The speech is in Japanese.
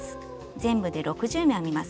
全部で６０目編みます。